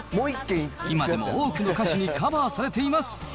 今でも多くの歌手にカバーされています。